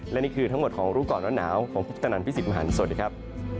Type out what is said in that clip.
และนี่คือทั้งหมดของรูปกรณ์น้ำหนาวของพุทธนันทร์พิสิทธิ์มหันฯสวัสดีครับ